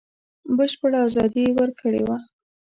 بشپړه ازادي یې ورکړې وه.